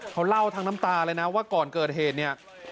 เขาเล่าทั้งน้ำตาเลยนะว่าก่อนเกิดเหตุเนี่ย